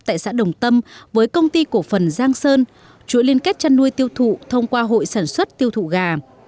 tại xã đồng tâm với công ty cổ phần giang sơn chuỗi liên kết chăn nuôi tiêu thụ thông qua hội sản xuất tiêu thụ gà